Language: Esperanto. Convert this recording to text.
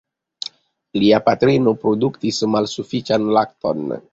Lia patrino produktis malsufiĉan lakton.